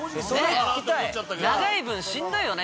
長い文しんどいよね？